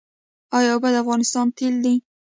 آیا اوبه د افغانستان تیل دي؟